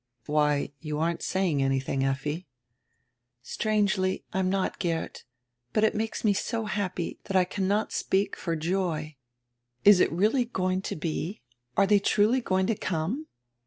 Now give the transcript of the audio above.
"Why, you aren't saying anything, Efti." "Strangely, I'm not, Geert But it makes me so happy that I cannot speak for joy. Is it really going to he? Are they truly going to come?"